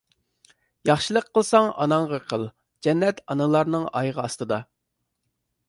ياخشىلىق قىلساڭ ئاناڭغا قىل، جەننەت ئانىلارنىڭ ئايىغى ئاستىدا!